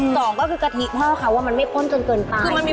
สองก็คือกะทิพ่อเขาว่ามันไม่ข้นจนเกินไป